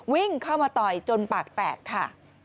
วิ่งเข้ามาต่อยจนปากแตกค่ะ